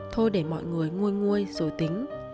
thôi để mọi người nguôi nguôi rồi tính